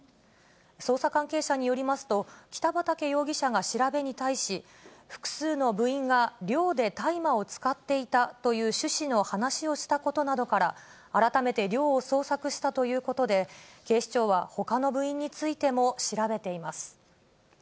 捜査関係者によりますと、北畠容疑者が調べに対し、複数の部員が寮で大麻を使っていたという趣旨の話をしたことなどから、改めて寮を捜索したということで、警視庁はほかの部員についても調べています。